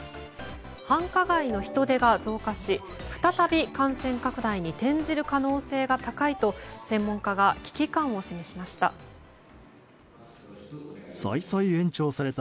繁華街の人出が増加し再び感染拡大に転じる可能性が高いと専門家が危機感を示しました。